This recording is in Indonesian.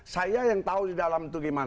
saya yang tahu di dalam itu gimana